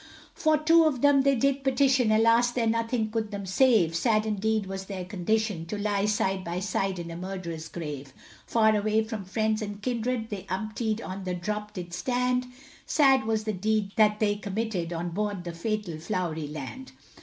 For two of them they did petition, Alas, there nothing could them save Sad indeed was their condition, To lie side by side in a murderer's grave; Far away from friends and kindred, They unpitied on the drop did stand, Sad was the deed that they committed, On board the fatal Flowery Land.